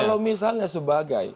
kalau misalnya sebagai